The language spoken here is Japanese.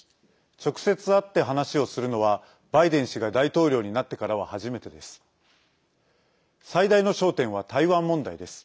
直接会って話をするのはバイデン氏が大統領になってからは初めてです。